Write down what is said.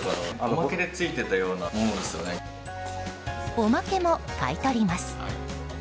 おまけも買い取ります。